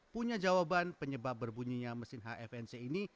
punya jawaban penyebab berbunyinya mesin hfnc ini